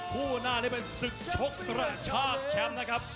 คู่หน้านี้เป็นศึกชกกระชากแชมป์นะครับ